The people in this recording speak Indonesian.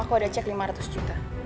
aku udah cek lima ratus juta